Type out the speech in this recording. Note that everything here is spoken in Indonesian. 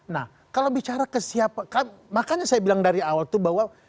nah kalau bicara ke siapa makanya saya bilang dari awal itu bahwa